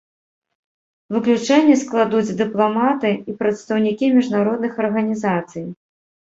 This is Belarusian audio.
Выключэнне складуць дыпламаты і прадстаўнікі міжнародных арганізацый.